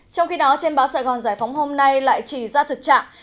trong khi đó trên báo sài gòn giải phóng hôm nay lại chỉ ra thực trạng